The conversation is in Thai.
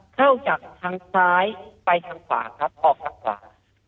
เข้าจากทางซ้ายไปทางขวาครับออกทางขวา